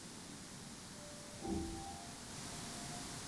临江市的工业区和经济开发区位于三道沟河流域内。